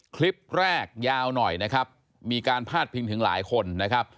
คลิปแรกยาวหน่อยนะครับมีการพาดพิงถึงหลายคนนะครับ